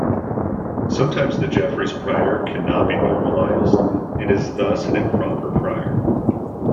Sometimes the Jeffreys prior cannot be normalized, and is thus an improper prior.